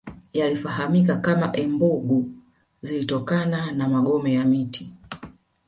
Yalifahamika kama embugu zilitokana na magome ya mti